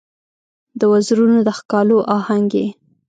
د وزرونو د ښکالو آهنګ یې